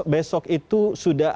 besok itu sudah